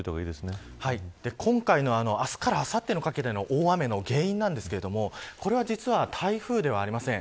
明日からあさってにかけての大雨の原因ですがこれは実は台風ではありません。